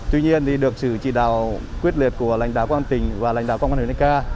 tuy nhiên được sự chỉ đạo quyết liệt của lãnh đạo công an tỉnh và lãnh đạo công an huyện eka